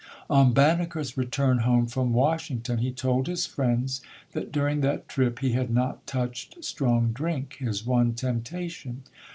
1 On Banneker's return home from Washington he told his friends that during that trip he had not touched strong drink, his one temptation.